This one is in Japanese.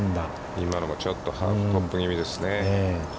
今のもちょっとハーフトップぎみですね。